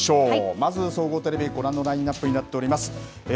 まずは総合テレビご覧のラインアップになっています。